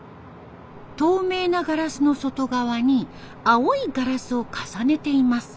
透明なガラスの外側に青いガラスを重ねています。